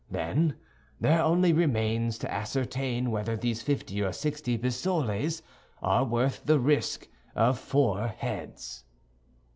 Then there only remains to ascertain whether these fifty or sixty pistoles are worth the risk of four heads."